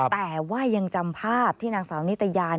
แต่ว่ายังจำภาพที่นางสาวนิตยา